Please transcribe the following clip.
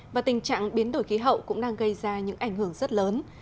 và tình trạng biến đổi khí hậu cũng đang gây ra những ảnh hưởng rất lớn